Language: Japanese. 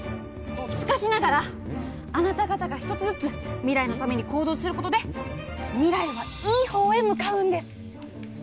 しかしながらあなた方が１つずつ未来のために行動することで未来はいいほうへ向かうんです。